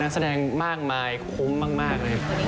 นักแสดงมากมายคุ้มมาก